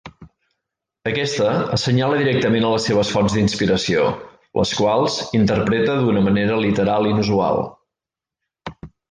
Aquesta assenyala directament a les seves fonts d'inspiració, les quals interpreta d'una manera literal inusual.